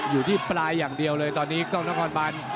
อยู่ที่ปลายอย่างเดียวเลยตอนนี้ต้องทั้งความบ้าน